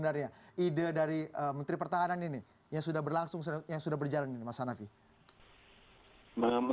ketika kini ada fakta kaya yang tidak sama dengan kabur kehendak jepang terhadap jepang